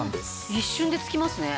一瞬でつきますね。